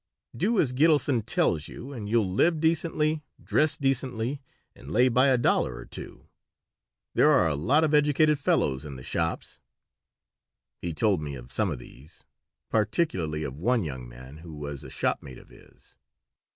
Do as Gitelson tells you, and you'll live decently, dress decently, and lay by a dollar or two. There are lots of educated fellows in the shops." He told me of some of these, particularly of one young man who was a shopmate of his.